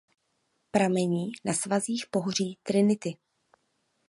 Pramení na svazích pohoří Trinity.